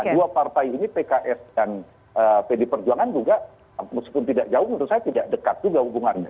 dua partai ini pks dan pd perjuangan juga meskipun tidak jauh menurut saya tidak dekat juga hubungannya